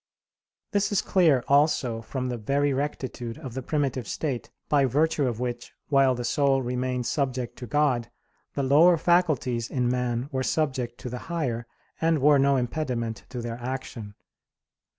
This is clear also from the very rectitude of the primitive state, by virtue of which, while the soul remained subject to God, the lower faculties in man were subject to the higher, and were no impediment to their action.